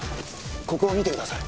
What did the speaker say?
ここを見てください。